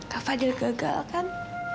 kak fadil gagal kan